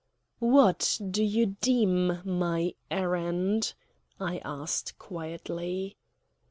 "What do you deem my errand?" I asked quietly.